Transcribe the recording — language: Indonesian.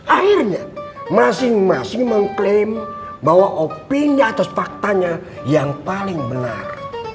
akhirnya masing masing mengklaim bahwa opini atas faktanya yang paling benar